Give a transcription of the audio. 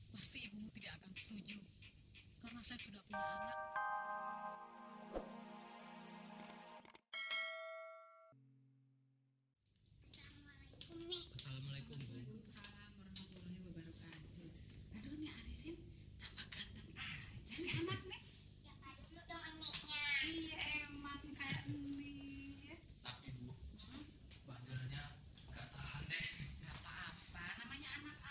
pasti ibumu tidak akan setuju